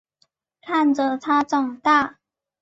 看着他长大